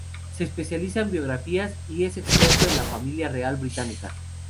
Se especializa en biografías y es experto en la familia real británica.